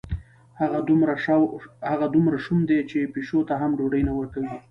هغه دومره شوم دی، چې پیشو ته هم ډوډۍ نه ورکوي.